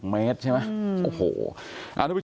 ๑๐เมตรใช่ไหมโอ้โหอันนี้พี่เจ๋น